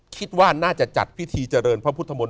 คิดว่าน่าจะจัดพิธีเจริญพระพุทธมนต